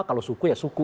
kalau suku ya suku